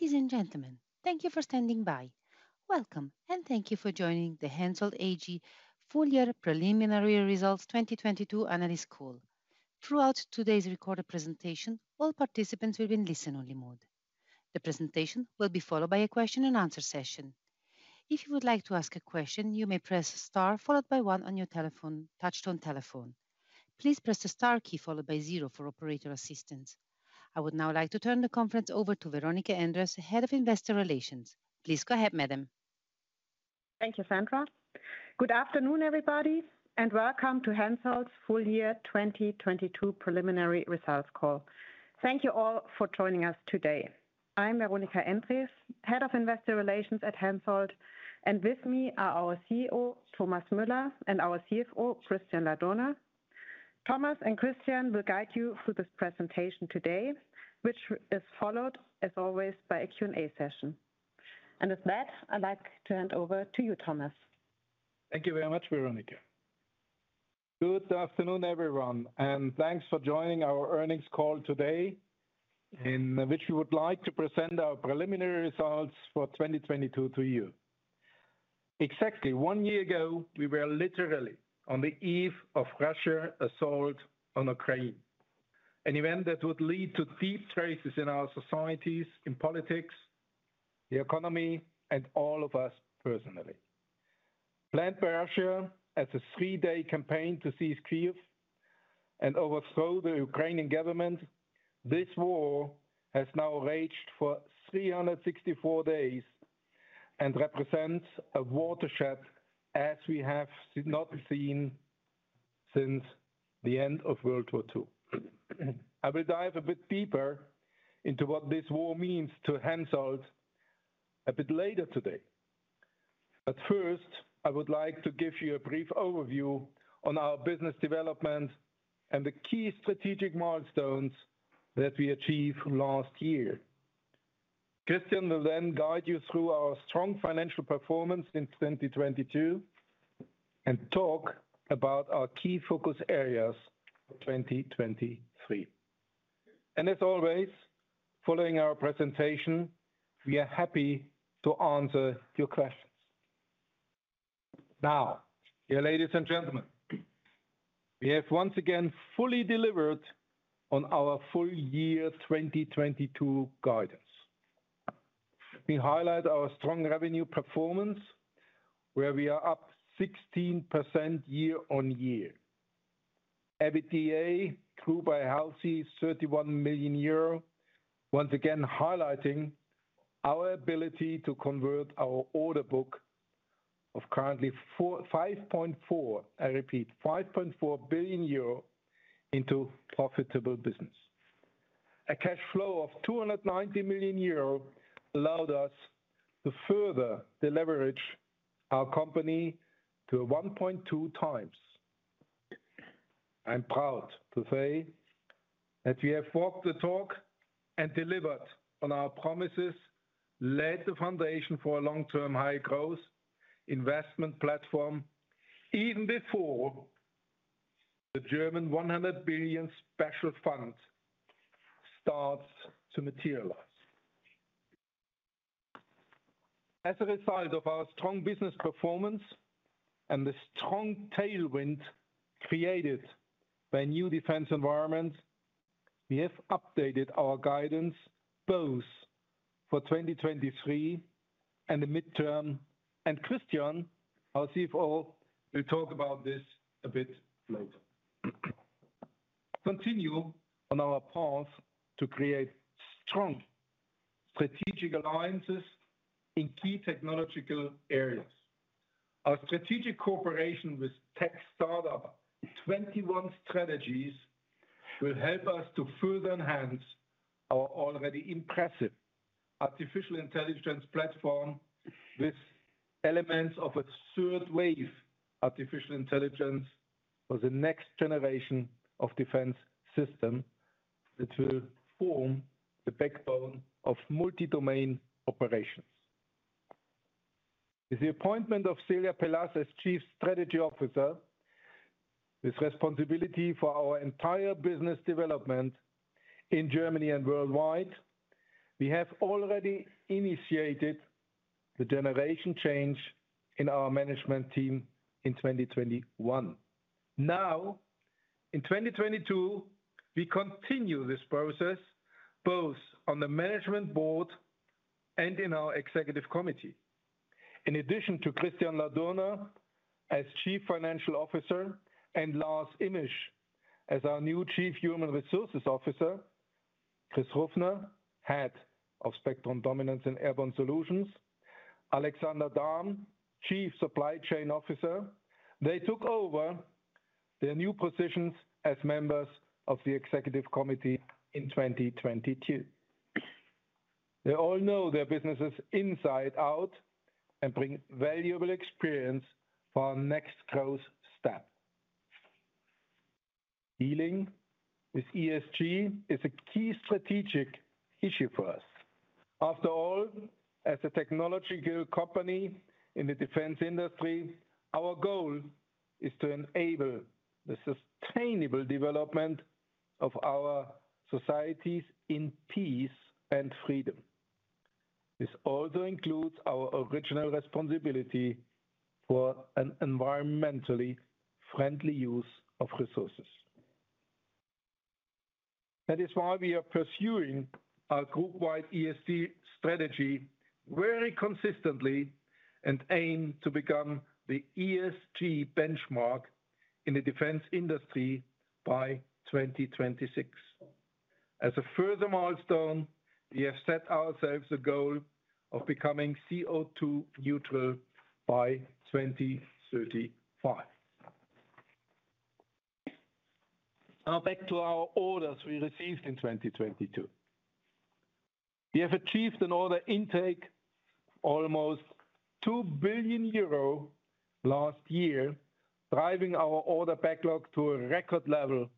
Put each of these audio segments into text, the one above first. Ladies and gentlemen, thank you for standing by. Welcome, thank you for joining the Hensoldt AG Full Year Preliminary Results 2022 Analyst Call. Throughout today's recorded presentation, all participants will be in listen only mode. The presentation will be followed by a question and answer session. If you would like to ask a question, you may press star followed by one on your touchtone telephone. Please press the star key followed by zero for operator assistance. I would now like to turn the conference over to Veronika Endres, Head of Investor Relations. Please go ahead, madam. Thank you, Sandra. Good afternoon, everybody, welcome to Hensoldt Full Year 2022 Preliminary Results Call. Thank you all for joining us today. I'm Veronika Endres, Head of Investor Relations at Hensoldt, and with me are our CEO, Thomas Müller, and our CFO, Christian Ladurner. Thomas and Christian will guide you through this presentation today, which is followed as always by a Q&A session. With that, I'd like to hand over to you, Thomas. Thank you very much, Veronika. Good afternoon, everyone, thanks for joining our earnings call today in which we would like to present our preliminary results for 2022 to you. Exactly one year ago, we were literally on the eve of Russia assault on Ukraine, an event that would lead to deep traces in our societies, in politics, the economy, and all of us personally. Planned by Russia as a three-day campaign to seize Kyiv and overthrow the Ukrainian government, this war has now raged for 364 days and represents a watershed as we have not seen since the end of World War II. I will dive a bit deeper into what this war means to Hensoldt a bit later today. First, I would like to give you a brief overview on our business development and the key strategic milestones that we achieved last year. Christian will then guide you through our strong financial performance in 2022 and talk about our key focus areas for 2023. As always, following our presentation, we are happy to answer your questions. Now, dear ladies and gentlemen, we have once again fully delivered on our full year 2022 guidance. We highlight our strong revenue performance, where we are up 16% year-over-year. EBITDA grew by a healthy 31 million euro, once again highlighting our ability to convert our order book of currently 5.4 billion, I repeat, 5.4 billion euro into profitable business. A cash flow of 290 million euro allowed us to further deleverage our company to a 1.2x. I'm proud to say that we have walked the talk and delivered on our promises, laid the foundation for a long-term high growth investment platform even before the German 100 billion special fund starts to materialize. As a result of our strong business performance and the strong tailwind created by new defense environments, we have updated our guidance both for 2023 and the midterm. Christian, our CFO, will talk about this a bit later. Continue on our path to create strong strategic alliances in key technological areas. Our strategic cooperation with tech startup 21strategies will help us to further enhance our already impressive artificial intelligence platform with elements of a Third Wave Artificial Intelligence for the next generation of defense system that will form the backbone of multi-domain operations. With the appointment of Celia Pelaz as Chief Strategy Officer with responsibility for our entire business development in Germany and worldwide, we have already initiated the generation change in our management team in 2021. Now, in 2022, we continue this process both on the management board and in our executive committee. In addition to Christian Ladurner as Chief Financial Officer and Lars Immisch as our new Chief Human Resources Officer, Chris Ruffner, Head of Spectrum Dominance and Airborne Solutions, Alexander Dahm, Chief Supply Chain Officer, they took over their new positions as members of the executive committee in 2022. They all know their businesses inside out and bring valuable experience for our next growth step. Dealing with ESG is a key strategic issue for us. After all, as a technology company in the defense industry, our goal is to enable the sustainable development of our societies in peace and freedom. This also includes our original responsibility for an environmentally friendly use of resources. That is why we are pursuing our group-wide ESG strategy very consistently and aim to become the ESG benchmark in the defense industry by 2026. As a further milestone, we have set ourselves a goal of becoming CO2 neutral by 2035. Now back to our orders we received in 2022. We have achieved an order intake of almost 2 billion euro last year, driving our order backlog to a record level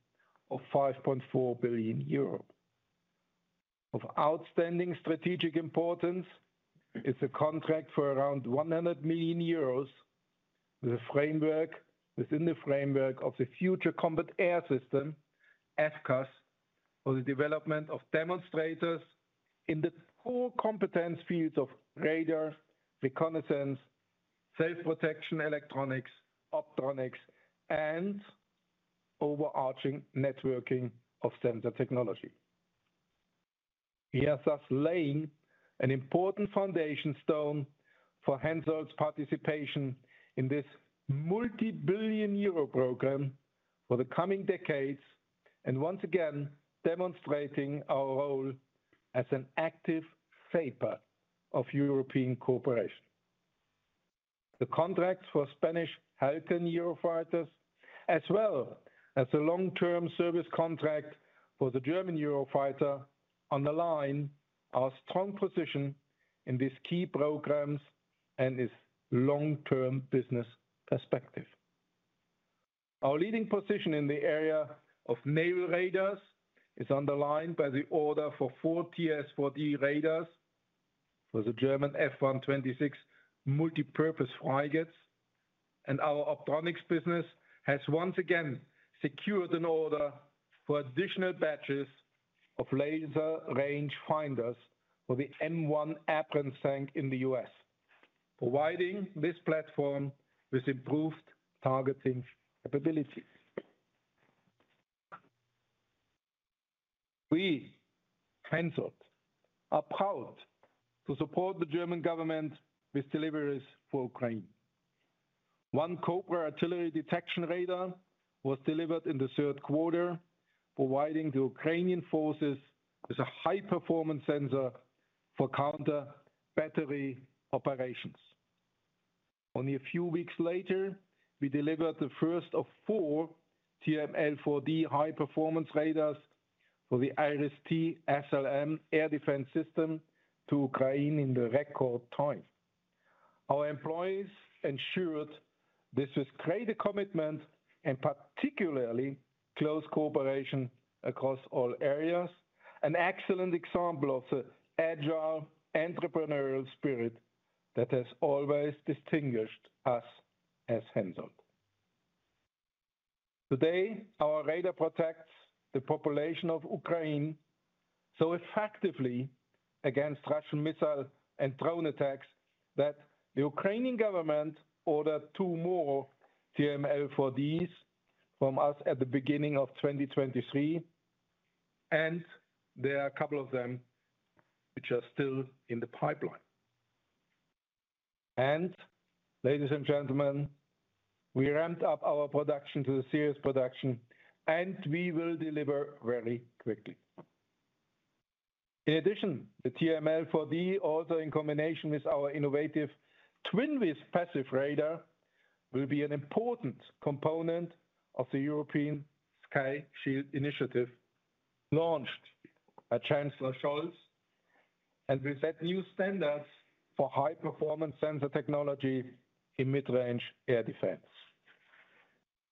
of 5.4 billion euro. Of outstanding strategic importance is a contract for around 100 million euros within the framework of the Future Combat Air System, FCAS, for the development of demonstrators in the four competence fields of radar, reconnaissance, self-protection, electronics, Optronics, and overarching networking of sensor technology. We are thus laying an important foundation stone for Hensoldt's participation in this multi-billion EUR program for the coming decades and once again demonstrating our role as an active shaper of European cooperation. The contracts for Spanish Halcon Eurofighters, as well as the long-term service contract for the German Eurofighter, underline our strong position in these key programs and its long-term business perspective. Our leading position in the area of naval radars is underlined by the order for four TRS-4D radars for the German F126 multipurpose frigates. Our Optronics business has once again secured an order for additional batches of laser range finders for the M1 Abrams tank in the U.S., providing this platform with improved targeting capabilities. We, Hensoldt, are proud to support the German government with deliveries for Ukraine. One COBRA artillery detection radar was delivered in the third quarter, providing the Ukrainian forces with a high-performance sensor for counter-battery operations. Only a few weeks later, we delivered the first of four TRML-4D high-performance radars for the IRIS-T SLM air defense system to Ukraine in the record time. Our employees ensured this with greater commitment and particularly close cooperation across all areas, an excellent example of the agile entrepreneurial spirit that has always distinguished us as Hensoldt. Today, our radar protects the population of Ukraine so effectively against Russian missile and drone attacks that the Ukrainian government ordered two more TRML-4D from us at the beginning of 2023. There are a couple of them which are still in the pipeline. Ladies and gentlemen, we ramped up our production to the series production, and we will deliver very quickly. In addition, the TRML-4D, also in combination with our innovative Twinvis passive radar, will be an important component of the European Sky Shield Initiative launched by Chancellor Scholz and will set new standards for high-performance sensor technology in mid-range air defense.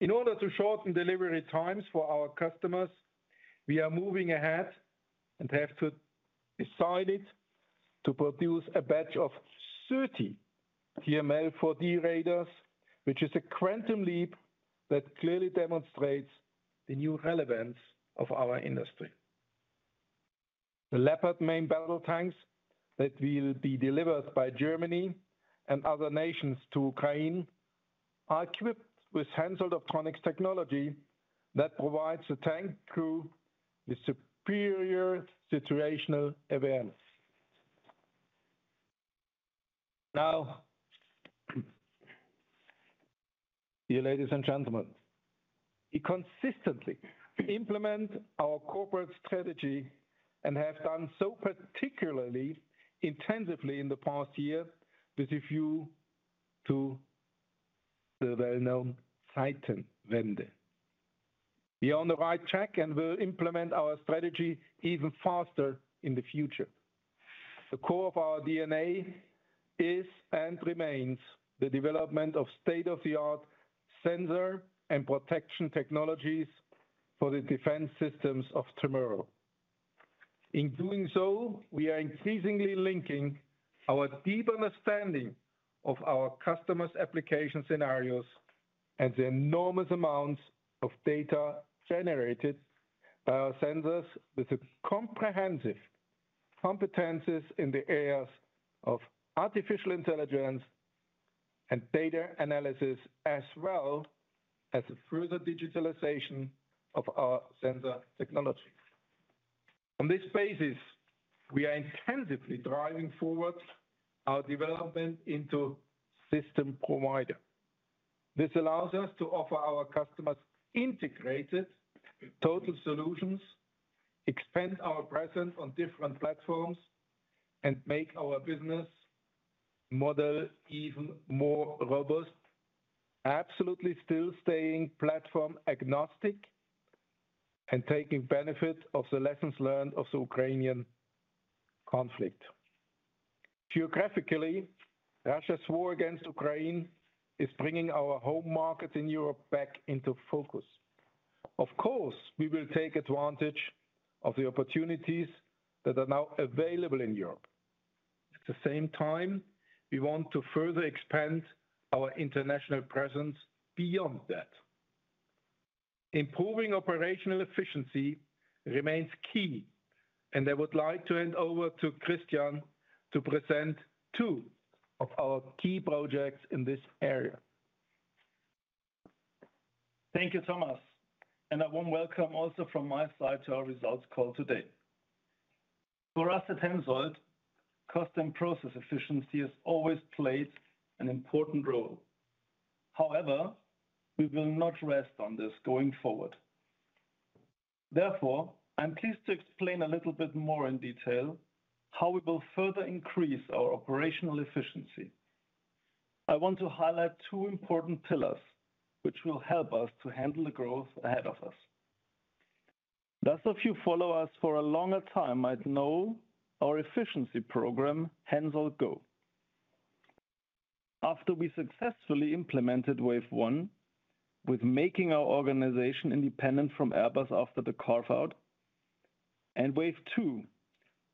In order to shorten delivery times for our customers, we are moving ahead and decided to produce a batch of 30 TRML-4D radars, which is a quantum leap that clearly demonstrates the new relevance of our industry. The Leopard main battle tanks that will be delivered by Germany and other nations to Ukraine are equipped with Hensoldt Optronics technology that provides the tank crew with superior situational awareness. Now, dear ladies and gentlemen, we consistently implement our corporate strategy and have done so particularly intensively in the past year with a view to the well-known Zeitenwende. We are on the right track and will implement our strategy even faster in the future. The core of our DNA is and remains the development of state-of-the-art sensor and protection technologies for the defense systems of tomorrow. In doing so, we are increasingly linking our deep understanding of our customers' application scenarios and the enormous amounts of data generated by our sensors with the comprehensive competencies in the areas of artificial intelligence and data analysis, as well as further digitalization of our sensor technologies. On this basis, we are intensively driving forward our development into system provider. This allows us to offer our customers integrated total solutions, expand our presence on different platforms, and make our business model even more robust, absolutely still staying platform agnostic and taking benefit of the lessons learned of the Ukrainian conflict. Geographically, Russia's war against Ukraine is bringing our home market in Europe back into focus. Of course, we will take advantage of the opportunities that are now available in Europe. At the same time, we want to further expand our international presence beyond that. Improving operational efficiency remains key, and I would like to hand over to Christian to present two of our key projects in this area. Thank you, Thomas, and a warm welcome also from my side to our results call today. For us at Hensoldt, cost and process efficiency has always played an important role. However, we will not rest on this going forward. Therefore, I'm pleased to explain a little bit more in detail how we will further increase our operational efficiency. I want to highlight two important pillars which will help us to handle the growth ahead of us. Those of you follow us for a longer time might know our efficiency program, HENSOLDT GO! After we successfully implemented wave one with making our organization independent from Airbus after the carve-out, and wave two,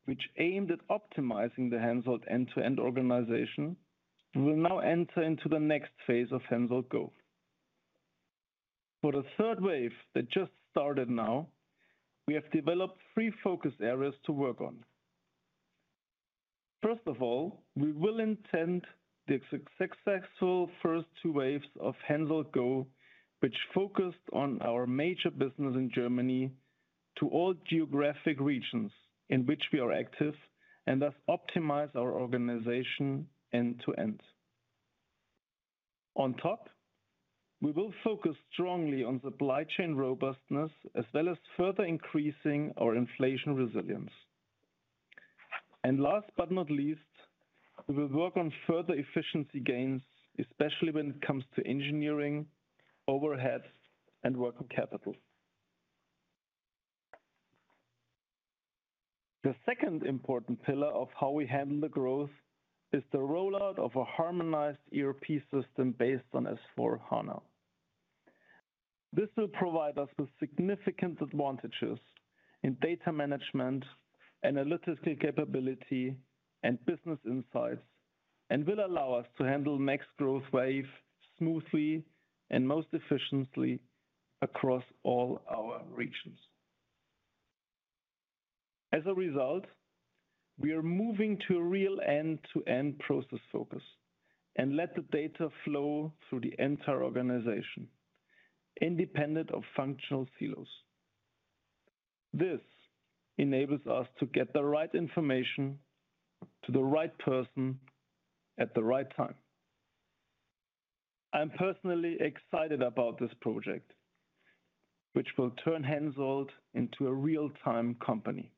which aimed at optimizing the Hensoldt end-to-end organization, we will now enter into the next phase of HENSOLDT GO! For the third wave that just started now, we have developed three focus areas to work on. First of all, we will intend the successful first two waves of HENSOLDT GO!, which focused on our major business in Germany, to all geographic regions in which we are active and thus optimize our organization end to end. On top, we will focus strongly on supply chain robustness as well as further increasing our inflation resilience. Last but not least, we will work on further efficiency gains, especially when it comes to engineering, overheads, and working capital. The second important pillar of how we handle the growth is the rollout of a harmonized ERP system based on S/4HANA. This will provide us with significant advantages in data management, analytical capability, and business insights, and will allow us to handle next growth wave smoothly and most efficiently across all our regions. As a result, we are moving to a real end-to-end process focus and let the data flow through the entire organization independent of functional silos. This enables us to get the right information to the right person at the right time. I am personally excited about this project, which will turn Hensoldt into a real-time company.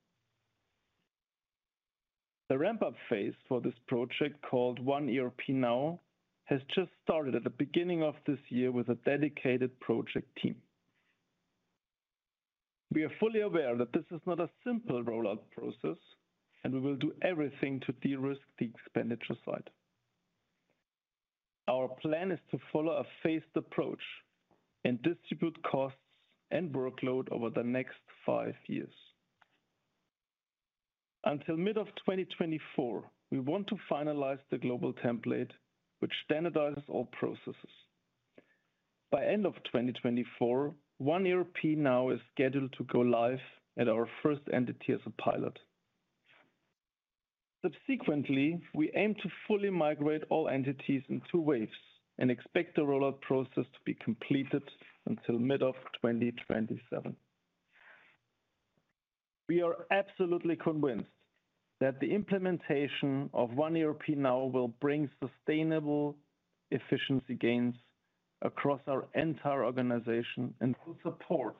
The ramp-up phase for this project, called OneERPnow, has just started at the beginning of this year with a dedicated project team. We are fully aware that this is not a simple rollout process, and we will do everything to de-risk the expenditure side. Our plan is to follow a phased approach and distribute costs and workload over the next five years. Until mid of 2024, we want to finalize the global template which standardizes all processes. By end of 2024, OneERPnow is scheduled to go live at our first entity as a pilot. Subsequently, we aim to fully migrate all entities in two waves and expect the rollout process to be completed until mid of 2027. We are absolutely convinced that the implementation of OneERPnow will bring sustainable efficiency gains across our entire organization and will support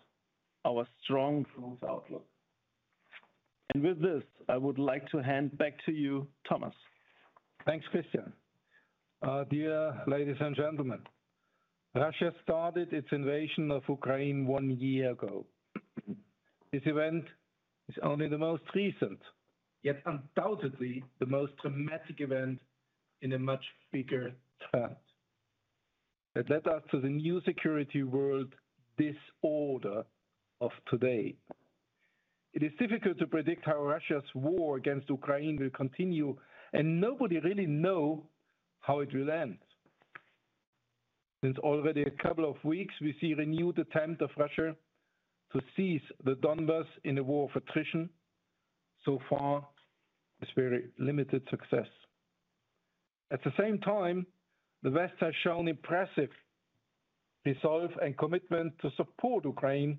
our strong growth outlook. With this, I would like to hand back to you, Thomas. Thanks, Christian. Dear ladies and gentlemen, Russia started its invasion of Ukraine one year ago. This event is only the most recent, yet undoubtedly the most traumatic event in a much bigger trend. That led us to the new security world disorder of today. It is difficult to predict how Russia's war against Ukraine will continue. Nobody really know how it will end. Since already a couple of weeks, we see renewed attempt of Russia to seize the Donbas in a war of attrition. So far, with very limited success. At the same time, the West has shown impressive resolve and commitment to support Ukraine.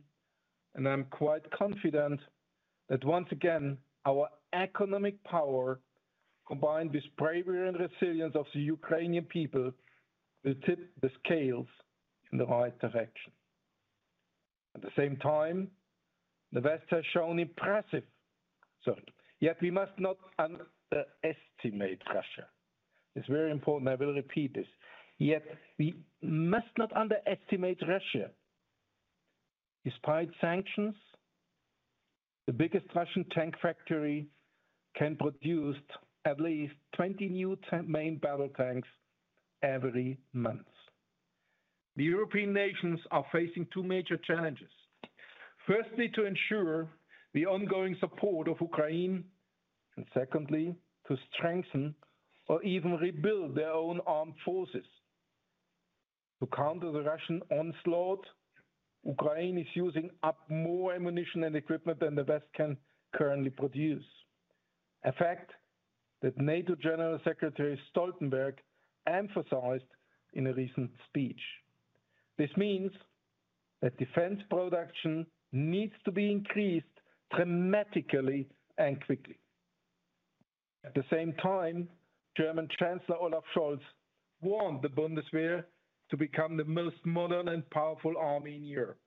I'm quite confident that once again, our economic power, combined with bravery and resilience of the Ukrainian people, will tip the scales in the right direction. At the same time, the West has shown impressive resolve. We must not underestimate Russia. It's very important, I will repeat this. We must not underestimate Russia. Despite sanctions, the biggest Russian tank factory can produce at least 20 new main battle tanks every month. The European nations are facing two major challenges. Firstly, to ensure the ongoing support of Ukraine, and secondly, to strengthen or even rebuild their own armed forces. To counter the Russian onslaught, Ukraine is using up more ammunition and equipment than the West can currently produce. A fact that NATO General Secretary Stoltenberg emphasized in a recent speech. This means that defense production needs to be increased dramatically and quickly. At the same time, German Chancellor Olaf Scholz warned the Bundeswehr to become the most modern and powerful army in Europe.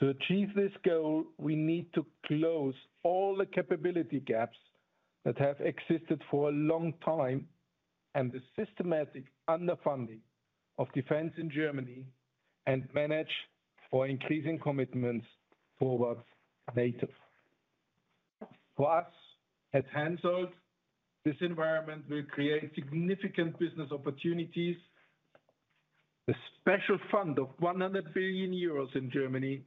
To achieve this goal, we need to close all the capability gaps that have existed for a long time, and the systematic underfunding of defense in Germany and manage for increasing commitments towards NATO. For us at Hensoldt, this environment will create significant business opportunities. The special fund of 100 billion euros in Germany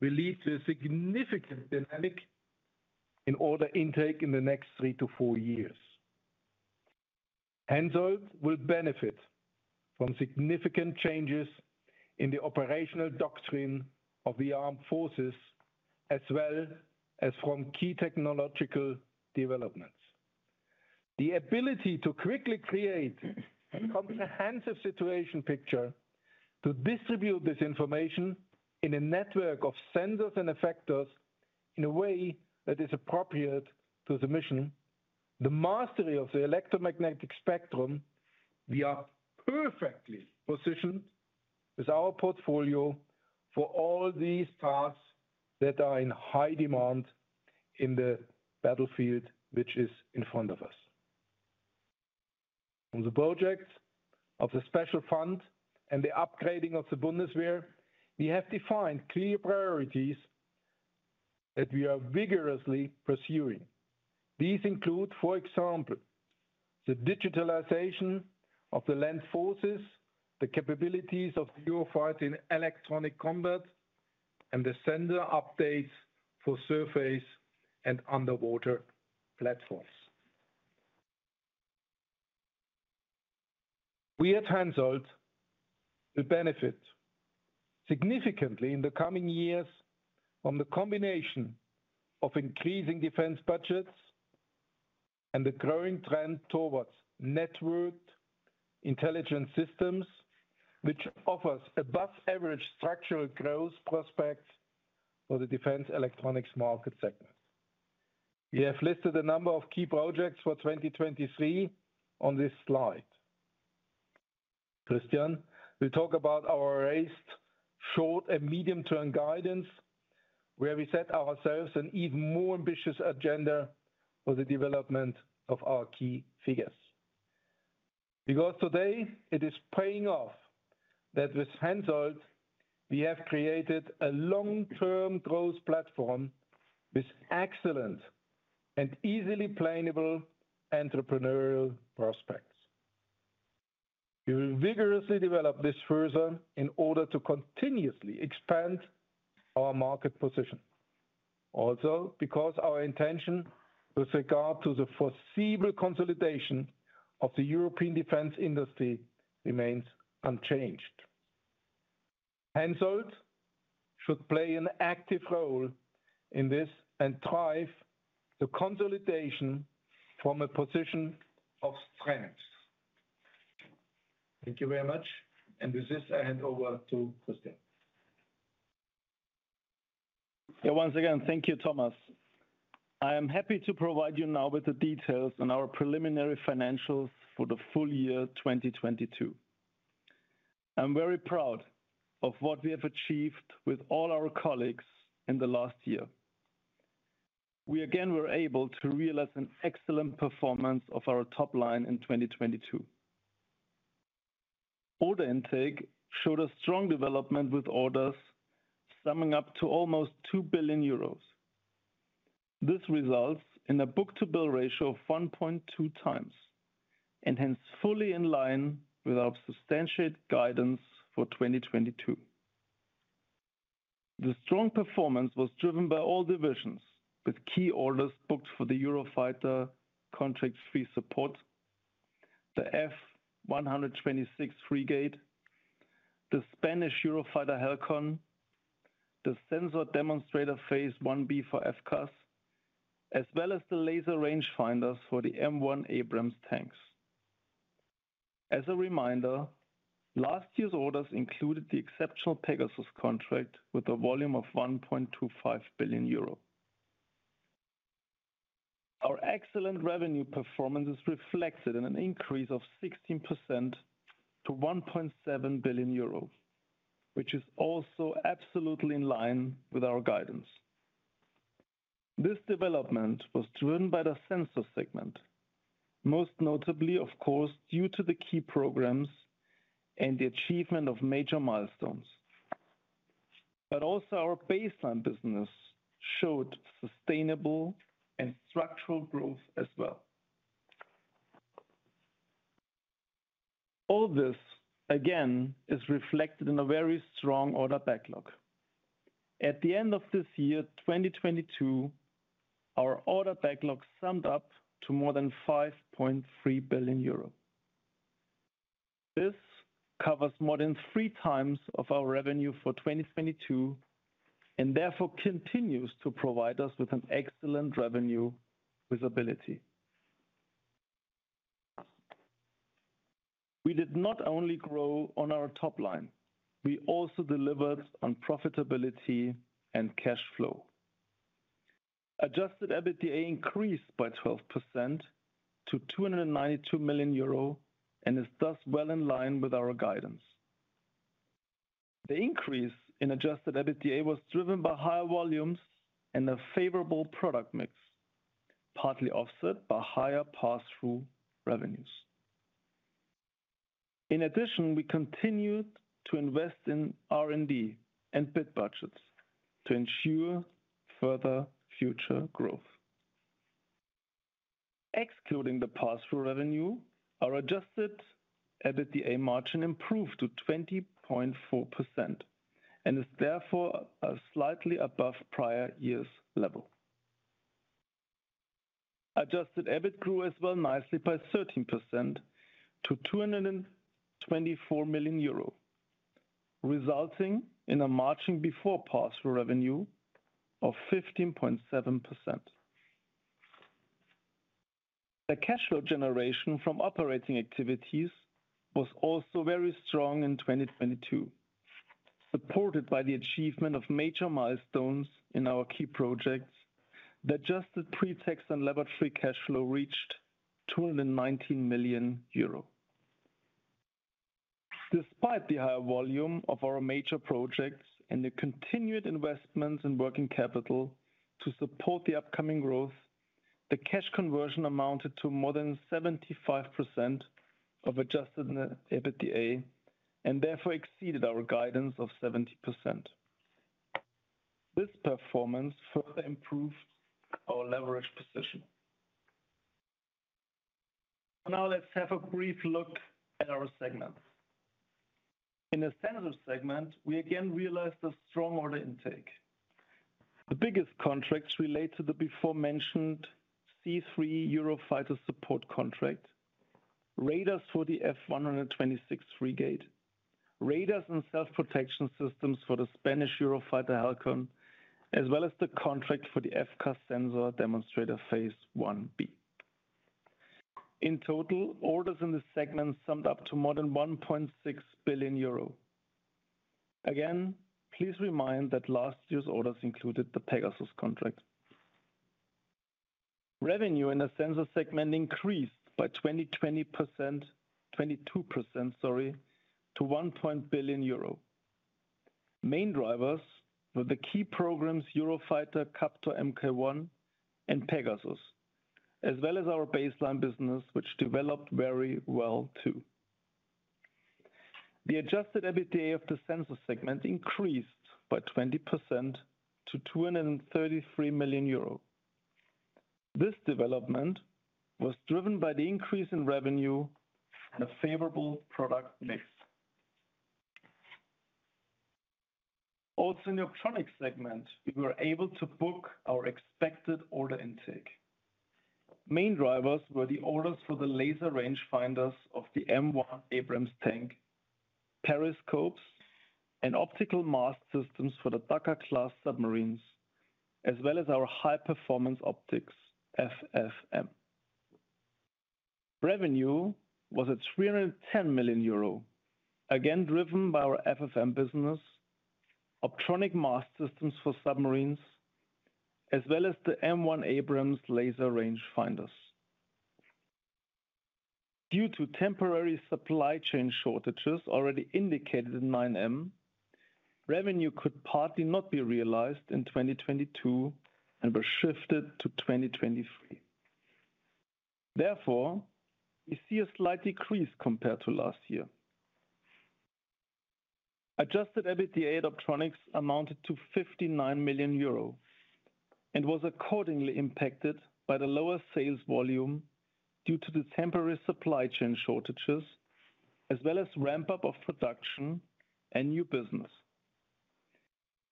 will lead to a significant dynamic in order intake in the next three to four years. Hensoldt will benefit from significant changes in the operational doctrine of the armed forces, as well as from key technological developments. The ability to quickly create a comprehensive situation picture, to distribute this information in a network of sensors and effectors in a way that is appropriate to the mission, the mastery of the electromagnetic spectrum, we are perfectly positioned with our portfolio for all these tasks that are in high demand in the battlefield, which is in front of us. On the projects of the special fund and the upgrading of the Bundeswehr, we have defined clear priorities that we are vigorously pursuing. These include, for example, the digitalization of the land forces, the capabilities of the Eurofighter in electronic combat, and the sender updates for surface and underwater platforms. We at Hensoldt will benefit significantly in the coming years from the combination of increasing defense budgets and the growing trend towards networked intelligent systems, which offers above-average structural growth prospects for the defense electronics market segment. We have listed a number of key projects for 2023 on this slide. Christian will talk about our raised short- and medium-term guidance, where we set ourselves an even more ambitious agenda for the development of our key figures. Today it is paying off that with Hensoldt we have created a long-term growth platform with excellent and easily plannable entrepreneurial prospects. We will vigorously develop this further in order to continuously expand our market position. Because our intention with regard to the foreseeable consolidation of the European defense industry remains unchanged. Hensoldt should play an active role in this and drive the consolidation from a position of strength. Thank you very much. With this, I hand over to Christian. Yeah. Once again, thank you, Thomas. I am happy to provide you now with the details on our preliminary financials for the full year 2022. I'm very proud of what we have achieved with all our colleagues in the last year. We again were able to realize an excellent performance of our top line in 2022. Order intake showed a strong development with orders summing up to almost 2 billion euros. This results in a book-to-bill ratio of 1.2x and hence fully in line with our substantiate guidance for 2022. The strong performance was driven by all divisions, with key orders booked for the Eurofighter contract three support, the F126 frigate, the Spanish Eurofighter Halcon, the sensor demonstrator phase I-B for FCAS, as well as the laser range finders for the M1 Abrams tanks. As a reminder, last year's orders included the exceptional PEGASUS contract with a volume of 1.25 billion euro. Our excellent revenue performance is reflected in an increase of 16% to 1.7 billion euro, which is also absolutely in line with our guidance. This development was driven by the Sensors segment, most notably, of course, due to the key programs and the achievement of major milestones. Also our baseline business showed sustainable and structural growth as well. All this, again, is reflected in a very strong order backlog. At the end of this year, 2022, our order backlog summed up to more than 5.3 billion euros. This covers more than 3x of our revenue for 2022 and therefore continues to provide us with an excellent revenue visibility. We did not only grow on our top line, we also delivered on profitability and cash flow. Adjusted EBITDA increased by 12% to 292 million euro and is thus well in line with our guidance. The increase in Adjusted EBITDA was driven by higher volumes and a favorable product mix, partly offset by higher passthrough revenues. We continued to invest in R&D and bid budgets to ensure further future growth. Excluding the passthrough revenue, our Adjusted EBITDA margin improved to 20.4% and is therefore slightly above prior year's level. Adjusted EBIT grew as well nicely by 13% to 224 million euro, resulting in a margin before passthrough revenue of 15.7%. The cash flow generation from operating activities was also very strong in 2022. Supported by the achievement of major milestones in our key projects, the adjusted pre-tax and levered free cash flow reached 219 million euro. Despite the higher volume of our major projects and the continued investments in working capital to support the upcoming growth, the cash conversion amounted to more than 75% of adjusted net EBITDA, and therefore exceeded our guidance of 70%. This performance further improved our leverage position. Let's have a brief look at our segments. In the Sensors segment, we again realized a strong order intake. The biggest contracts relate to the beforementioned C3 Eurofighter support contract, radars for the F126 frigate, radars and self-protection systems for the Spanish Eurofighter Halcon, as well as the contract for the FCAS sensor demonstrator phase one B. In total, orders in this segment summed up to more than 1.6 billion euro. Please remind that last year's orders included the PEGASUS contract. Revenue in the Sensors segment increased by 22% to 1 billion euro. Main drivers were the key programs Eurofighter, ECRS Mk1, and PEGASUS, as well as our baseline business, which developed very well too. The Adjusted EBITDA of the Sensors segment increased by 20% to 233 million euros. This development was driven by the increase in revenue and a favorable product mix. In the Optronics segment, we were able to book our expected order intake. Main drivers were the orders for the laser range finders of the M1 Abrams tank, periscopes and optical mast systems for the Ula-class submarines, as well as our high-performance optics, FFM. Revenue was at 310 million euro, again driven by our FFM business, optronic mast systems for submarines, as well as the M1 Abrams laser rangefinders. Due to temporary supply chain shortages already indicated in 9M, revenue could partly not be realized in 2022 and were shifted to 2023. We see a slight decrease compared to last year. Adjusted EBITDA Optronics amounted to 59 million euro and was accordingly impacted by the lower sales volume due to the temporary supply chain shortages, as well as ramp-up of production and new business.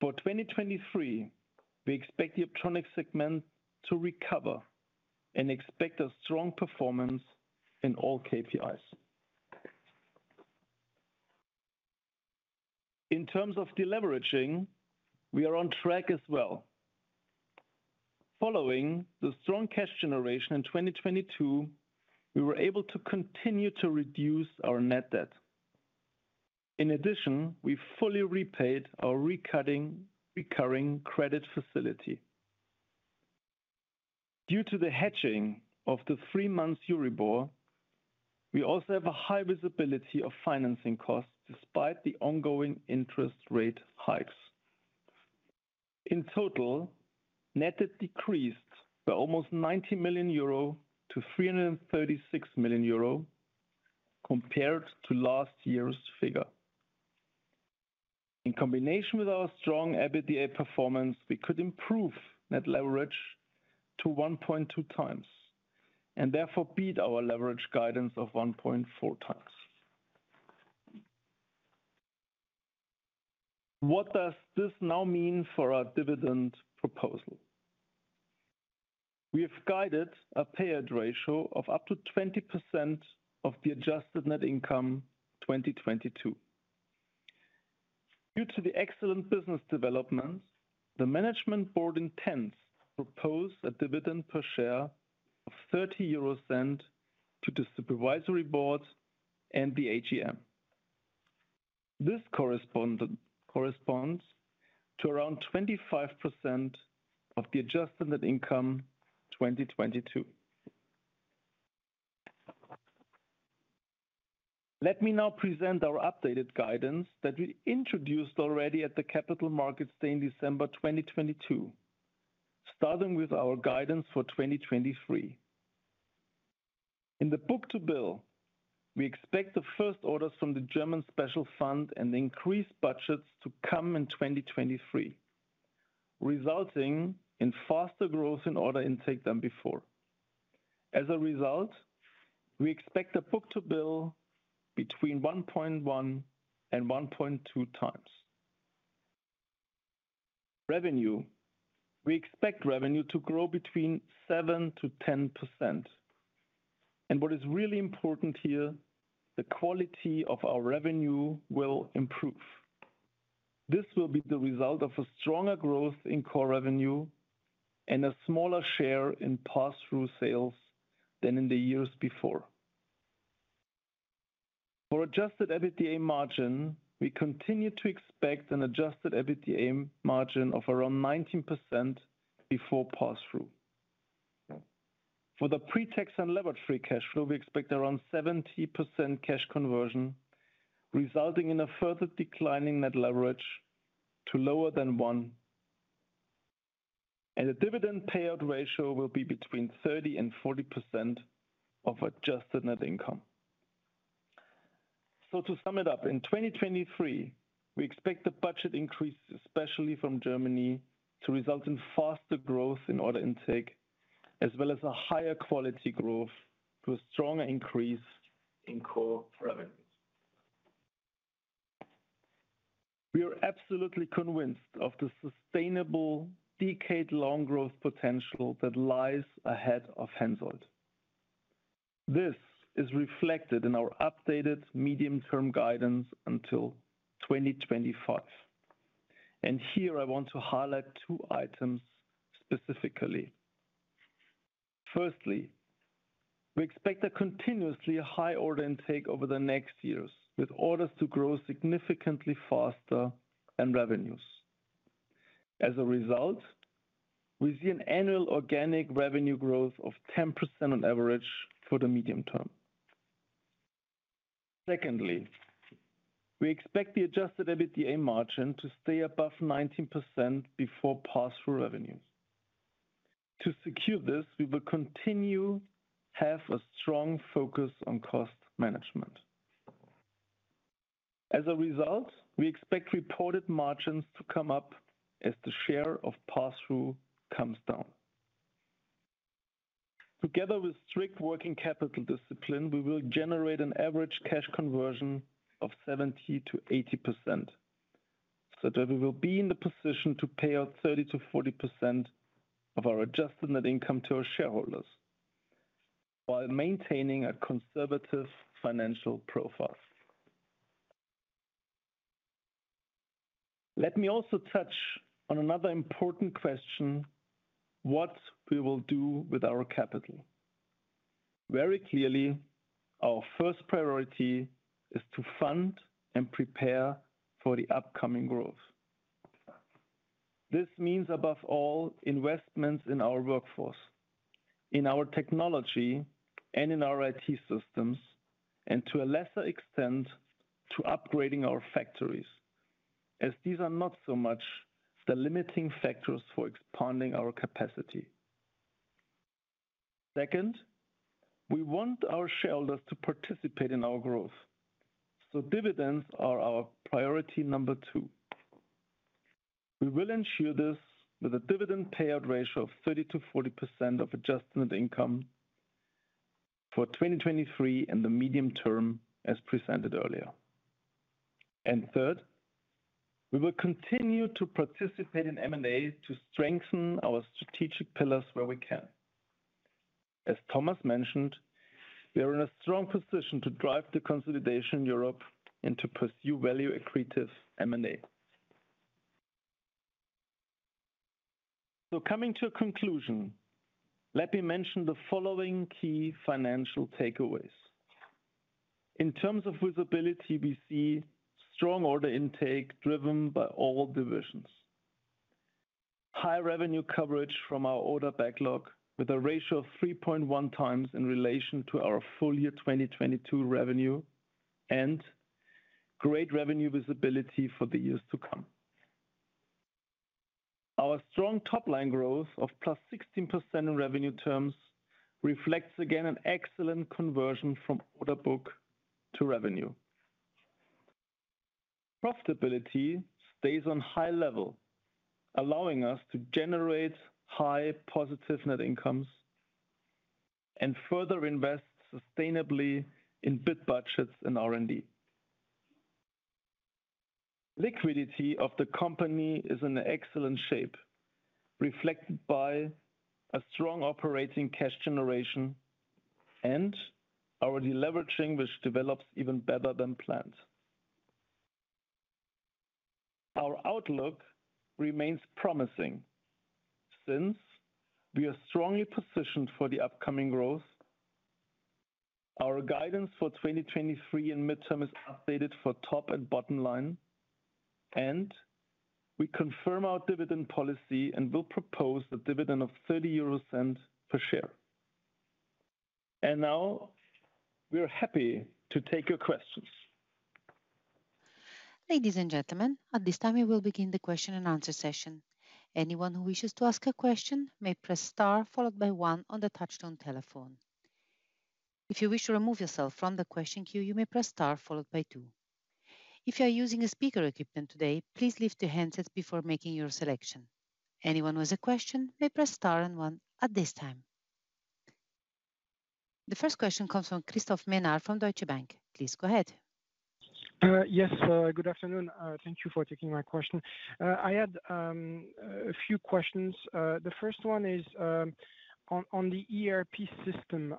For 2023, we expect the Optronics segment to recover and expect a strong performance in all KPIs. In terms of deleveraging, we are on track as well. Following the strong cash generation in 2022, we were able to continue to reduce our net debt. In addition, we fully repaid our recurring credit facility. Due to the hedging of the three-month Euribor, we also have a high visibility of financing costs despite the ongoing interest rate hikes. In total, net debt decreased by almost 90 million-336 million euro compared to last year's figure. In combination with our strong EBITDA performance, we could improve net leverage to 1.2x, and therefore beat our leverage guidance of 1.4x. What does this now mean for our dividend proposal? We have guided a payout ratio of up to 20% of the adjusted net income 2022. Due to the excellent business developments, the management board intends to propose a dividend per share of 0.30 to the supervisory board and the AGM. This corresponds to around 25% of the adjusted net income 2022. Let me now present our updated guidance that we introduced already at the Capital Markets Day in December 2022, starting with our guidance for 2023. In the book-to-bill, we expect the first orders from the German special fund and the increased budgets to come in 2023, resulting in faster growth in order intake than before. As a result, we expect the book-to-bill between 1.1x and 1.2x. Revenue. We expect revenue to grow between 7%-10%. What is really important here, the quality of our revenue will improve. This will be the result of a stronger growth in core revenue and a smaller share in passthrough sales than in the years before. For Adjusted EBITDA margin, we continue to expect an Adjusted EBITDA margin of around 19% before passthrough. For the pre-tax and levered free cash flow, we expect around 70% cash conversion, resulting in a further decline in net leverage to lower than one. The dividend payout ratio will be between 30% and 40% of adjusted net income. To sum it up, in 2023, we expect the budget increase, especially from Germany, to result in faster growth in order intake as well as a higher quality growth through a stronger increase in core revenues. We are absolutely convinced of the sustainable decade-long growth potential that lies ahead of Hensoldt. This is reflected in our updated medium-term guidance until 2025. Here I want to highlight two items specifically. Firstly, we expect a continuously high order intake over the next years, with orders to grow significantly faster than revenues. As a result, we see an annual organic revenue growth of 10% on average for the medium term. Secondly, we expect the Adjusted EBITDA margin to stay above 19% before passthrough revenues. To secure this, we will continue have a strong focus on cost management. As a result, we expect reported margins to come up as the share of passthrough comes down. Together with strict working capital discipline, we will generate an average cash conversion of 70%-80%, so that we will be in the position to pay out 30%-40% of our adjusted net income to our shareholders while maintaining a conservative financial profile. Let me also touch on another important question: What we will do with our capital? Very clearly, our first priority is to fund and prepare for the upcoming growth. This means, above all, investments in our workforce, in our technology, and in our IT systems, and to a lesser extent, to upgrading our factories, as these are not so much the limiting factors for expanding our capacity. Second, we want our shareholders to participate in our growth, dividends are our priority number two. We will ensure this with a dividend payout ratio of 30%-40% of adjustment income for 2023 and the medium term as presented earlier. Third, we will continue to participate in M&A to strengthen our strategic pillars where we can. As Thomas mentioned, we are in a strong position to drive the consolidation Europe and to pursue value accretive M&A. Coming to a conclusion, let me mention the following key financial takeaways. In terms of visibility, we see strong order intake driven by all divisions. High revenue coverage from our order backlog with a ratio of 3.1x in relation to our full year 2022 revenue and great revenue visibility for the years to come. Our strong top line growth of +16% in revenue terms reflects again an excellent conversion from order book to revenue. Profitability stays on high level, allowing us to generate high positive net incomes and further invest sustainably in bid budgets and R&D. Liquidity of the company is in excellent shape, reflected by a strong operating cash generation and our deleveraging, which develops even better than planned. Our outlook remains promising since we are strongly positioned for the upcoming growth. Our guidance for 2023 and midterm is updated for top and bottom line, we confirm our dividend policy and will propose a dividend of 0.30 per share. Now we are happy to take your questions. Ladies and gentlemen, at this time we will begin the question and answer session. Anyone who wishes to ask a question may press star followed by one on the touchtone telephone. If you wish to remove yourself from the question queue, you may press star followed by two. If you are using speaker equipment today, please lift your handsets before making your selection. Anyone with a question may press star and one at this time. The first question comes from Christophe Ménard from Deutsche Bank. Please go ahead. Yes, good afternoon. Thank you for taking my question. I had a few questions. The first one is on the ERP system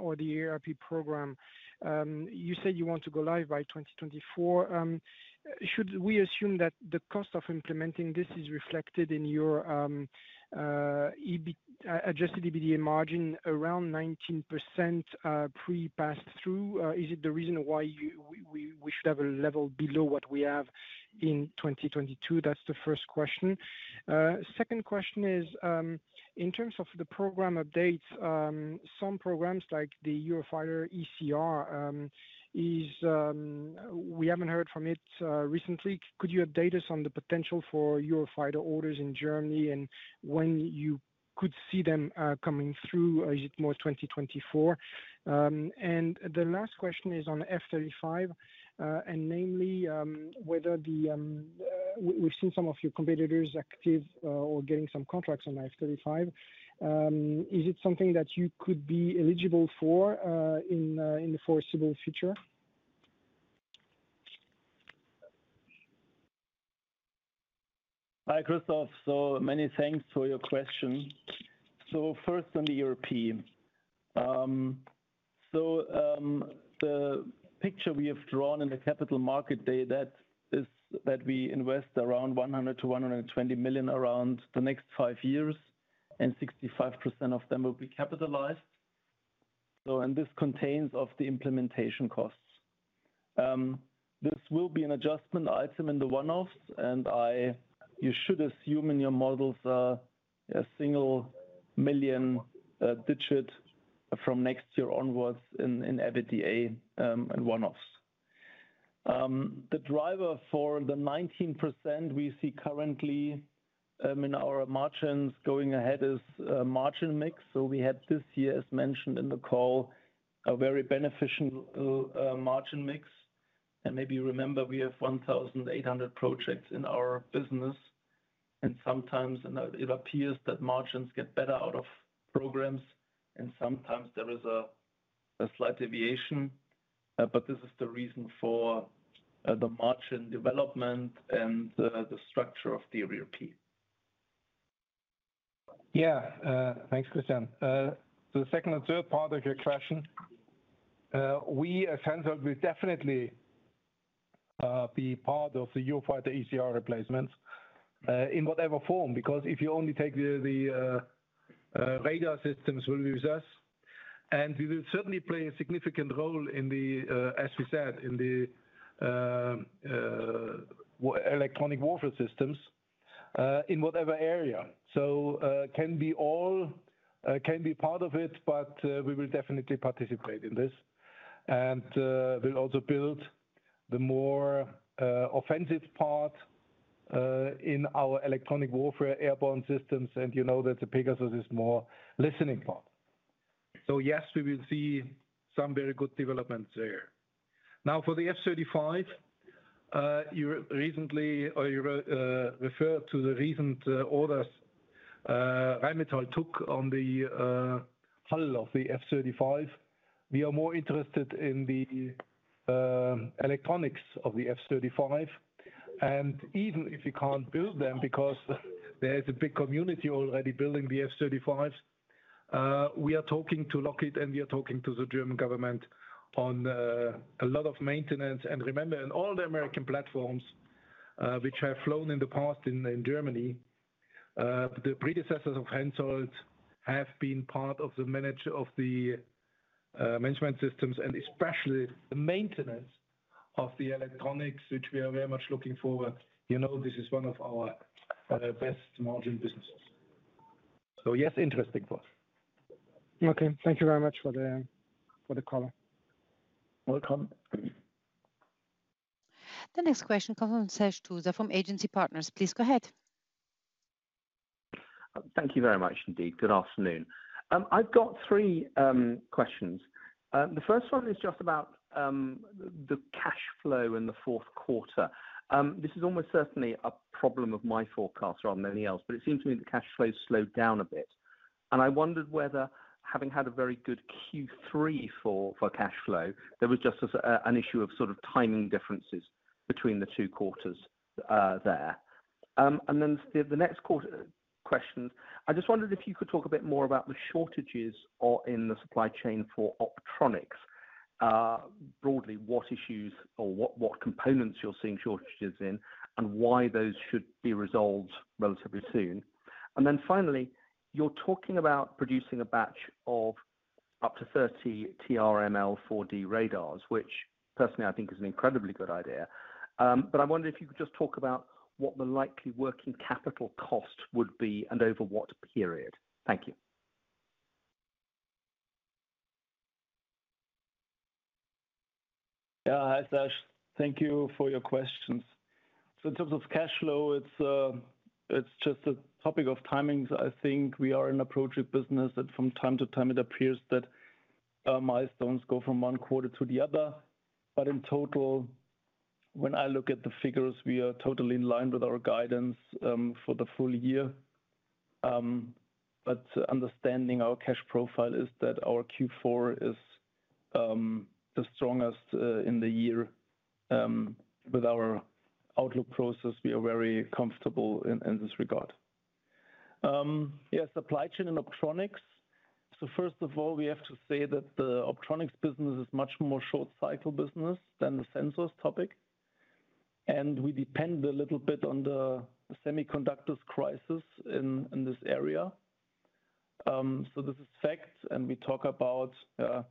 or the ERP program. You said you want to go live by 2024. Should we assume that the cost of implementing this is reflected in your Adjusted EBITDA margin around 19% pre-passthrough? Is it the reason why we should have a level below what we have in 2022? That's the first question. Second question is in terms of the program updates, some programs like the Eurofighter ECR, we haven't heard from it recently. Could you update us on the potential for Eurofighter orders in Germany and when you could see them coming through? Is it more 2024? The last question is on F-35, and namely, whether we've seen some of your competitors active or getting some contracts on F-35. Is it something that you could be eligible for in the foreseeable future? Hi, Christophe. Many thanks for your question. First on the ERP. The picture we have drawn in the capital market day that is, that we invest around 100 million-120 million around the next five years, and 65% of them will be capitalized. This contains of the implementation costs. This will be an adjustment item in the one-offs, and you should assume in your models, a single million digit from next year onwards in EBITDA, and one-offs. The driver for the 19% we see currently, in our margins going ahead is, margin mix. We had this year, as mentioned in the call, a very beneficial, margin mix. Maybe you remember we have 1,800 projects in our business. Sometimes it appears that margins get better out of programs, and sometimes there is a slight deviation. This is the reason for the margin development and the structure of the ERP. Yeah. Thanks, Christian. The second and third part of your question, we at Hensoldt will definitely be part of the Eurofighter ECR replacement in whatever form. Because if you only take the radar systems will be with us, we will certainly play a significant role in the, as we said, in the electronic warfare systems in whatever area. Can be all, can be part of it, we will definitely participate in this. We'll also build the more offensive part In our electronic warfare airborne systems, you know that the PEGASUS is more listening part. Yes, we will see some very good developments there. For the F-35, you referred to the recent orders Rheinmetall took on the hull of the F-35. We are more interested in the electronics of the F-35. Even if we can't build them because there is a big community already building the F-35s, we are talking to Lockheed, we are talking to the German government on a lot of maintenance. Remember, in all the American platforms, which have flown in the past in Germany, the predecessors of Hensoldt have been part of the management systems, and especially the maintenance of the electronics, which we are very much looking for. You know, this is one of our best margin businesses. Yes, interesting for us. Okay. Thank you very much for the call. Welcome. The next question comes from Sash Tusa from Agency Partners. Please go ahead. Thank you very much indeed. Good afternoon. I've got three questions. The first one is just about the cash flow in the fourth quarter. This is almost certainly a problem of my forecast rather than anything else, but it seems to me the cash flow slowed down a bit. I wondered whether having had a very good Q3 for cash flow, there was just an issue of sort of timing differences between the two quarters there. Then the next question, I just wondered if you could talk a bit more about the shortages or in the supply chain for Optronics. Broadly, what issues or what components you're seeing shortages in and why those should be resolved relatively soon. Finally, you're talking about producing a batch of up to 30 TRML-4D radars, which personally I think is an incredibly good idea. I wonder if you could just talk about what the likely working capital cost would be and over what period. Thank you. Hi, Sash. Thank you for your questions. In terms of cash flow, it's just a topic of timings. I think we are in a project business that from time to time it appears that milestones go from one quarter to the other. In total, when I look at the figures, we are totally in line with our guidance for the full year. Understanding our cash profile is that our Q4 is the strongest in the year. With our outlook process, we are very comfortable in this regard. Supply chain and Optronics. First of all, we have to say that the Optronics business is much more short cycle business than the Sensors topic, and we depend a little bit on the semiconductors crisis in this area. This is fact, and we talk about a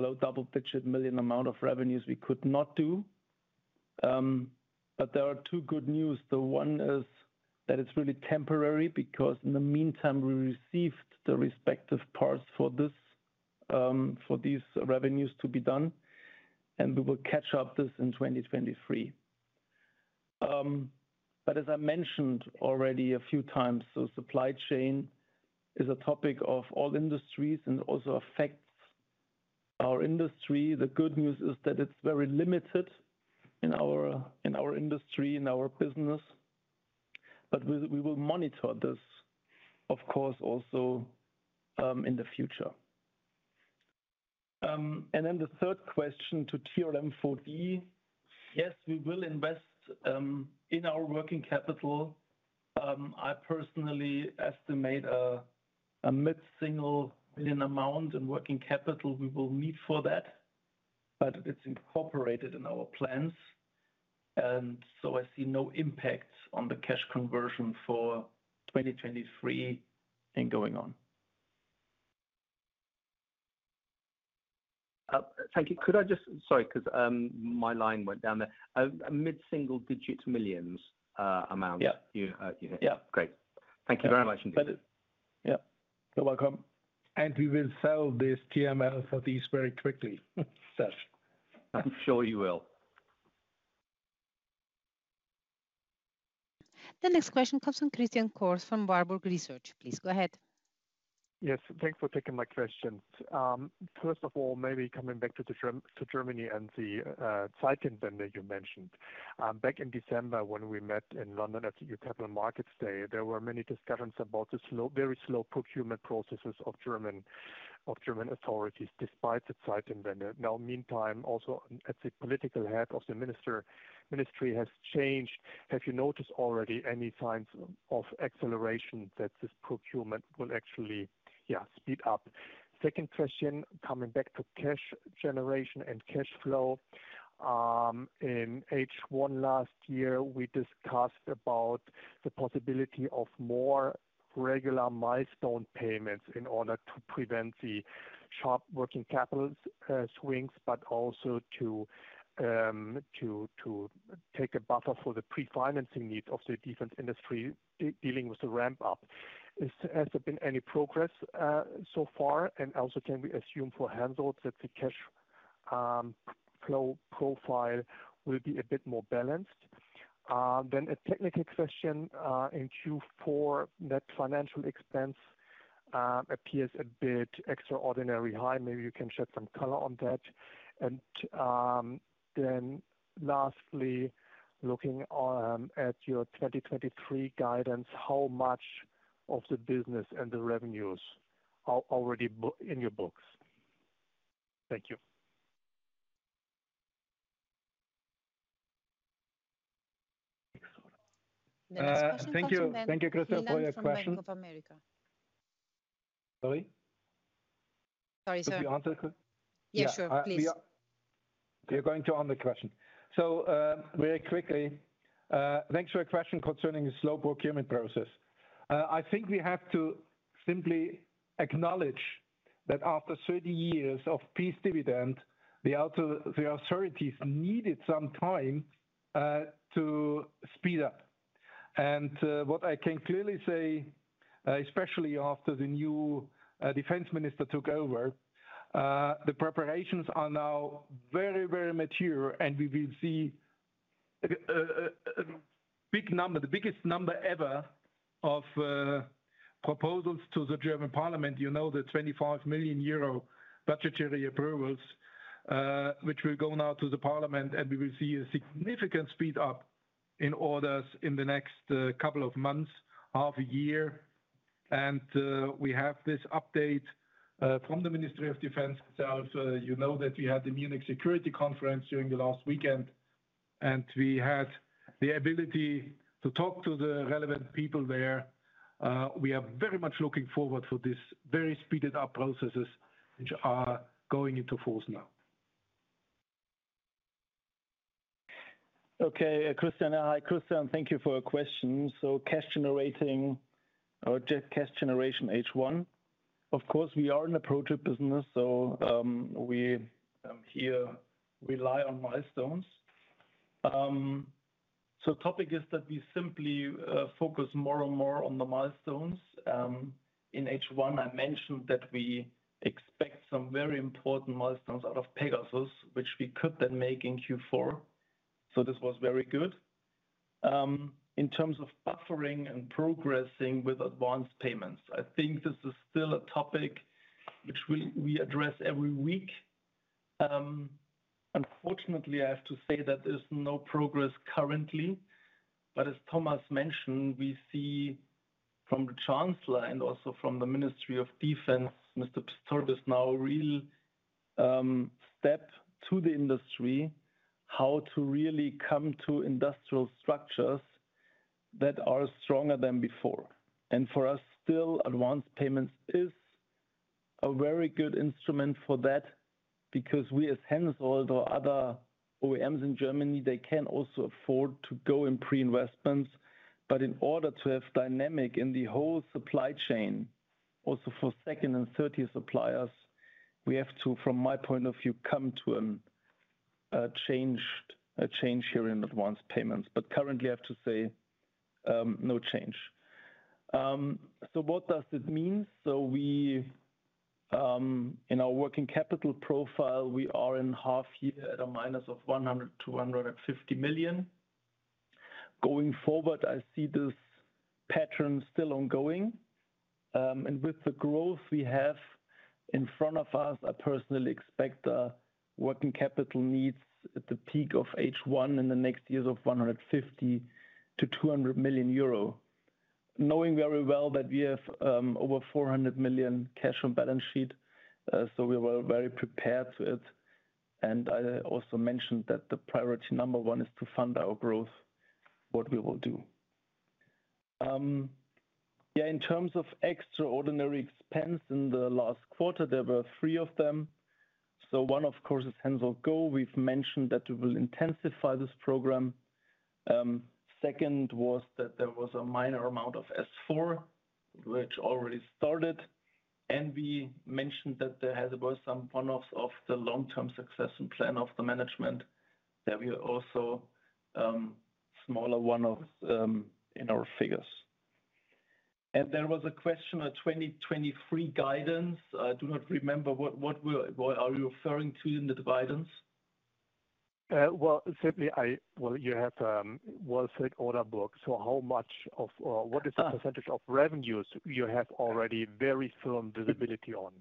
low double-digit million amount of revenues we could not do. There are two good news. The one is that it's really temporary because in the meantime, we received the respective parts for this, for these revenues to be done, and we will catch up this in 2023. As I mentioned already a few times, supply chain is a topic of all industries and also affects our industry. The good news is that it's very limited in our, in our industry, in our business. We will monitor this, of course, also, in the future. The third question to TRML-4D. Yes, we will invest in our working capital. I personally estimate a mid-single million amount in working capital we will need for that. It's incorporated in our plans. I see no impact on the cash conversion for 2023 and going on. Thank you. Sorry, 'cause my line went down there. A mid-single digit millions amount. Yeah. You, you think? Yeah. Great. Thank you very much indeed. That is. Yeah. You're welcome. We will sell these TRML-4Ds very quickly, Sash. I'm sure you will. The next question comes from Christian Cohrs from Warburg Research. Please go ahead. Yes, thanks for taking my questions. First of all, maybe coming back to Germany and the Zeitenwende you mentioned. Back in December when we met in London at the Capital Markets Day, there were many discussions about the slow, very slow procurement processes of German authorities despite the Zeitenwende. Now, meantime, also at the political head of the ministry has changed. Have you noticed already any signs of acceleration that this procurement will actually, yeah, speed up? Second question, coming back to cash generation and cash flow. In H1 last year, we discussed about the possibility of more regular milestone payments in order to prevent the sharp working capital swings, but also to take a buffer for the pre-financing needs of the defense industry dealing with the ramp up. Has there been any progress so far? Can we assume for Hensoldt that the cash flow profile will be a bit more balanced. A technical question in Q4, net financial expense appears a bit extraordinary high. Maybe you can shed some color on that. Lastly, looking at your 2023 guidance, how much of the business and the revenues are already in your books? Thank you. Thank you, Christian, for your question. Bank of America. Sorry. Sorry, sir. Could you answer, quick? Yeah, sure. Please. We are going to answer the question. Very quickly, thanks for your question concerning the slow procurement process. I think we have to simply acknowledge that after 30 years of peace dividend, the authorities needed some time to speed up. What I can clearly say, especially after the new Defense Minister took over, the preparations are now very, very mature, and we will see a big number, the biggest number ever of proposals to the German Parliament. You know, the 25 million euro budgetary approvals, which will go now to the Parliament, and we will see a significant speed up in orders in the next couple of months, half a year. We have this update from the Ministry of Defense itself. You know that we had the Munich Security Conference during the last weekend, and we had the ability to talk to the relevant people there. We are very much looking forward for this very speeded up processes which are going into force now. Okay. Christian. Hi, Christian. Thank you for your question. Cash generating or just cash generation H1. Of course, we are in a project business, so we here rely on milestones. Topic is that we simply focus more and more on the milestones. In H1, I mentioned that we expect some very important milestones out of PEGASUS, which we could then make in Q4. This was very good. In terms of buffering and progressing with advanced payments, I think this is still a topic which we address every week. Unfortunately, I have to say that there's no progress currently. As Thomas mentioned, we see from the Chancellor and also from the Ministry of Defense, Mr. Pistorius now real step to the industry, how to really come to industrial structures that are stronger than before. For us, still, advanced payments is a very good instrument for that because we as Hensoldt or other OEMs in Germany, they can also afford to go in pre-investments. In order to have dynamic in the whole supply chain, also for second and third tier suppliers, we have to, from my point of view, come to a change here in advanced payments. Currently, I have to say, no change. What does this mean? We, in our working capital profile, we are in half year at a minus of 100 million-150 million. Going forward, I see this pattern still ongoing. With the growth we have in front of us, I personally expect working capital needs at the peak of H1 in the next years of 150 million-200 million euro. Knowing very well that we have over 400 million cash on balance sheet, we were very prepared to it. I also mentioned that the priority number one is to fund our growth, what we will do. Yeah, in terms of extraordinary expense in the last quarter, there were three of them. One, of course, is HENSOLDT GO! We've mentioned that we will intensify this program. Second was that there was a minor amount of S4 which already started. We mentioned that there was some one-offs of the long-term success and plan of the management that we are also smaller one-offs in our figures. There was a question of 2023 guidance. I do not remember what are you referring to in the guidance? Well, simply, well, you have a well-set order book. How much of or what is the percentage of revenues you have already very firm visibility on?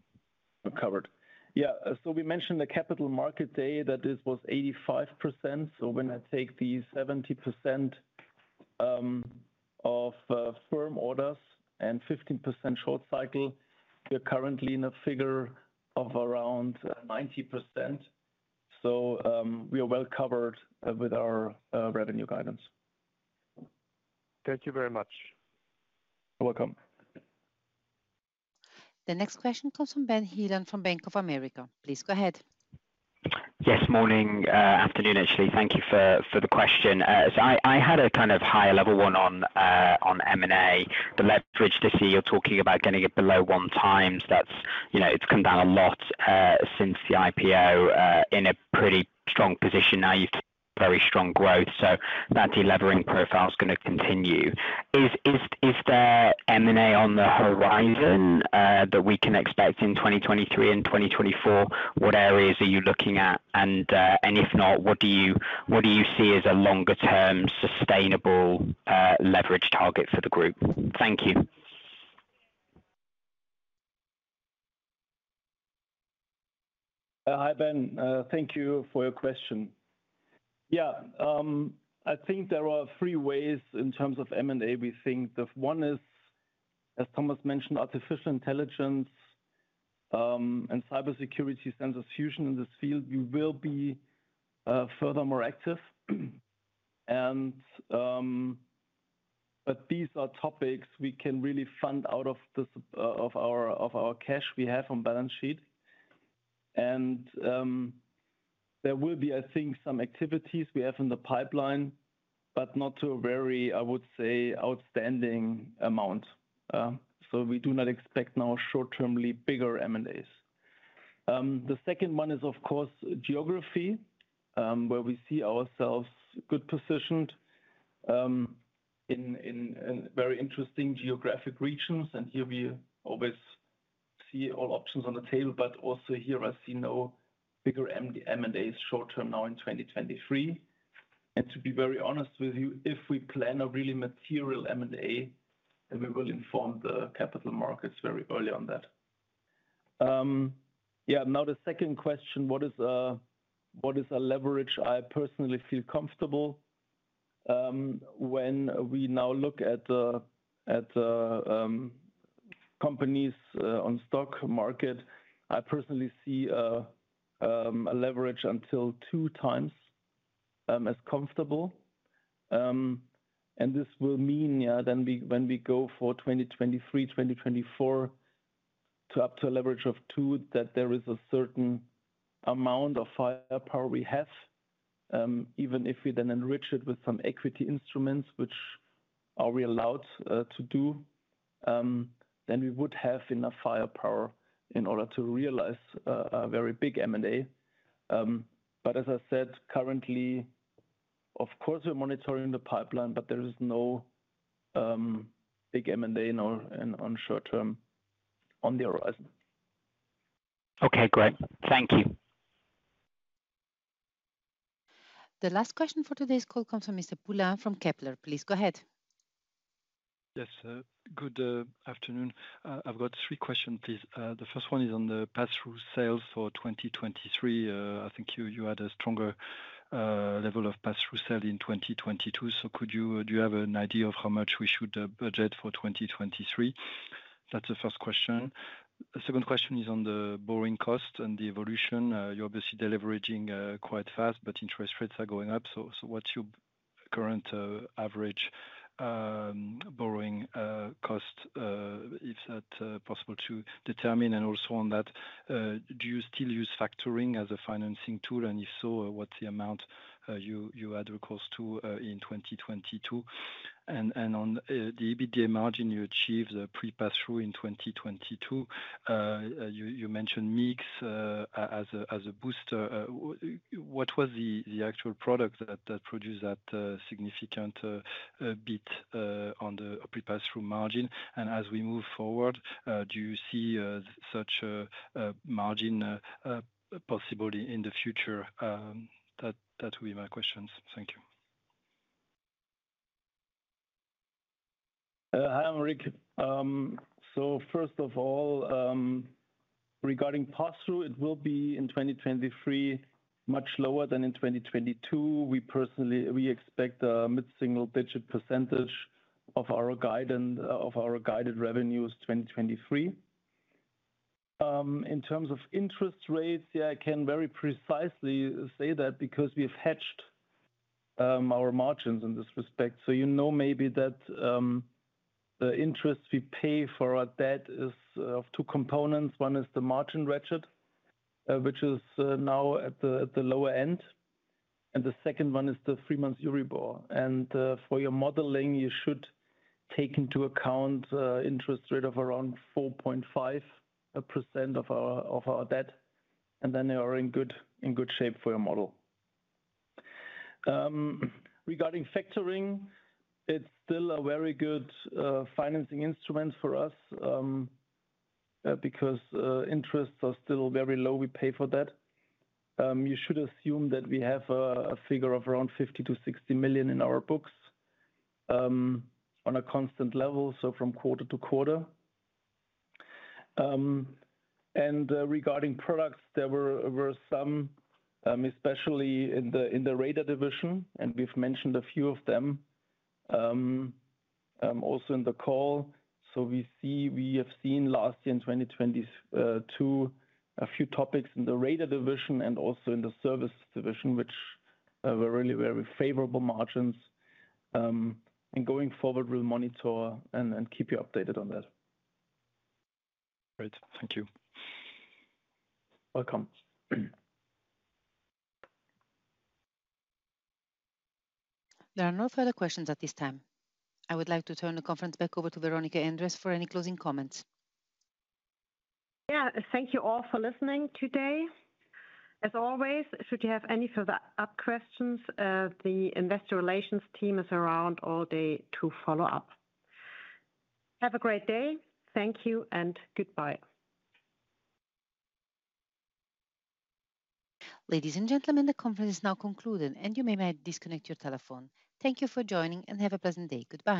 Covered. Yeah. We mentioned the capital market day that this was 85%. When I take the 70% of firm orders and 15% short cycle, we are currently in a figure of around 90%. We are well covered with our revenue guidance. Thank you very much. You're welcome. The next question comes from Ben Heelan from Bank of America. Please go ahead. Yes. Morning, afternoon, actually. Thank you for the question. I had a kind of higher level one on M&A, the leverage to see you're talking about getting it below 1x. That's, you know, it's come down a lot since the IPO in a pretty strong position now you've very strong growth, so that de-levering profile is gonna continue. Is there M&A on the horizon that we can expect in 2023 and 2024? What areas are you looking at? If not, what do you see as a longer-term sustainable leverage target for the group? Thank you. Hi, Ben. Thank you for your question. I think there are three ways in terms of M&A we think. The one is, as Thomas mentioned, artificial intelligence, and cybersecurity sensors fusion in this field, we will be furthermore active. These are topics we can really fund out of our cash we have on balance sheet. There will be, I think, some activities we have in the pipeline, but not to a very, I would say, outstanding amount. We do not expect now short-termly bigger M&As. The second one is, of course, geography, where we see ourselves good positioned in very interesting geographic regions, and here we always see all options on the table, but also here I see no bigger M&As short-term now in 2023. To be very honest with you, if we plan a really material M&A, then we will inform the capital markets very early on that. The second question, what is, what is a leverage I personally feel comfortable? When we now look at the companies on stock market, I personally see a leverage until two times as comfortable. This will mean, then when we go for 2023, 2024 to up to a leverage of two, that there is a certain amount of firepower we have, even if we then enrich it with some equity instruments, which are we allowed to do, then we would have enough firepower in order to realize, a very big M&A. As I said, currently, of course we're monitoring the pipeline, but there is no big M&A in or on short-term on the horizon. Okay, great. Thank you. The last question for today's call comes from Mr. Poulain from Kepler. Please go ahead. Yes, good afternoon. I've got three questions, please. The first one is on the pass-through sales for 2023. I think you had a stronger level of pass-through sale in 2022. Do you have an idea of how much we should budget for 2023? That's the first question. The second question is on the borrowing cost and the evolution. You're obviously deleveraging quite fast, but interest rates are going up. What's your current average borrowing cost? Is that possible to determine? Also on that, do you still use factoring as a financing tool? If so, what's the amount you had recourse to in 2022? On the EBITDA margin you achieved pre-passthrough in 2022, you mentioned mix as a booster. What was the actual product that produced that significant bit on the pre-passthrough margin? As we move forward, do you see such a margin possibly in the future? That will be my questions. Thank you. Hi, Aymeric. First of all, regarding passthrough, it will be in 2023, much lower than in 2022. We expect a mid-single digit percentage of our guided revenues 2023. In terms of interest rates, yeah, I can very precisely say that because we've hedged our margins in this respect. You know maybe that the interest we pay for our debt is of two components. One is the margin ratchet, which is now at the lower end, and the second one is the three-month Euribor. For your modeling, you should take into account interest rate of around 4.5% of our debt, and then you are in good shape for your model. Regarding factoring, it's still a very good financing instrument for us because interests are still very low, we pay for that. You should assume that we have a figure of around 50 million-60 million in our books on a constant level, so from quarter-to-quarter. Regarding products, there were some especially in the radar division, and we've mentioned a few of them also in the call. We have seen last year in 2022 a few topics in the radar division and also in the service division, which were really very favorable margins. Going forward, we'll monitor and keep you updated on that. Great. Thank you. Welcome. There are no further questions at this time. I would like to turn the conference back over to Veronika Endres for any closing comments. Yeah. Thank you all for listening today. As always, should you have any further questions, the Investor Relations team is around all day to follow up. Have a great day. Thank you and goodbye. Ladies and gentlemen, the conference is now concluded and you may now disconnect your telephone. Thank you for joining and have a pleasant day. Goodbye.